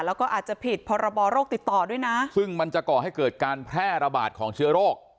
แล้วก็อาจจะผิดพรบโรคติดต่อด้วยนะซึ่งมันจะก่อให้เกิดการแพร่ระบาดของเชื้อโรค